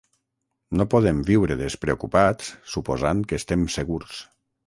No podem viure despreocupats suposant que estem segurs.